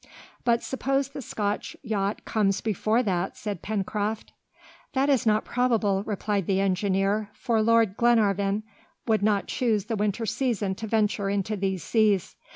"But suppose the Scotch yacht comes before that," said Pencroft. "That is not probable," replied the engineer, "for Lord Glenarvan would not choose the winter season to venture into these seas.